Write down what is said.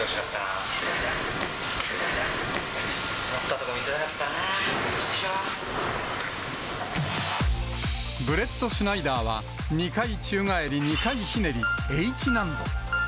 持ったところ、ブレットシュナイダーは２回宙返り２回ひねり、Ｈ難度。